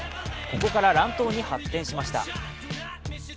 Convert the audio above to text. ここから乱闘に発展しました。